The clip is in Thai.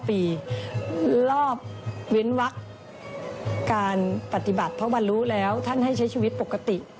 รอบเว้นวักการปฏิบัติเพราะวันรู้แล้วท่านให้ใช้ชีวิตปกติ